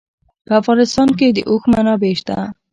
په افغانستان کې د اوښ منابع شته.